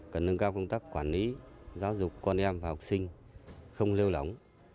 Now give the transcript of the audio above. cần nâng cao công tác quản lý giáo dục con em và học sinh không lêu lóng